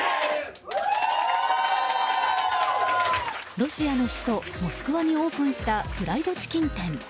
ロシアの首都モスクワにオープンしたフライドチキン店。